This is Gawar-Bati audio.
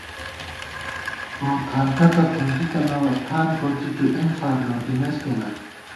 گورتھانتہ تہ پُنزی تنہ ٹھان کوڅی تُو اېنفارلوٹِمېس کېنا